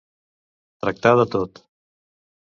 Tractar de tot.